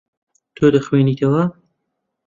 تۆ دەخوێنیتەوە.